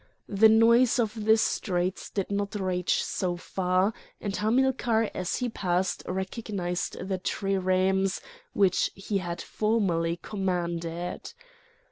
The noise of the streets did not reach so far, and Hamilcar as he passed recognised the triremes which he had formerly commanded.